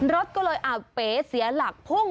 รถก็เลยอาบเป๋เสียหลักพุ่ง